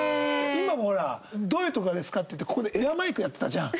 今もほら「どういうところがですか？」って言ってここでエアマイクやってたじゃん。